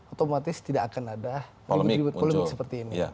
otomatis tidak akan ada ribut ribut polemik seperti ini